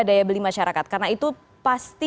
daya beli masyarakat karena itu pasti